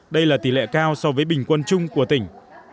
đây là tỷ lệ cao so với bình quân chung của tỉnh